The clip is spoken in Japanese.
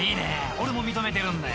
俺も認めてるんだよ］